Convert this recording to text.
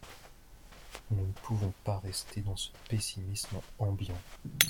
Nous ne pouvons pas rester dans ce pessimisme ambiant.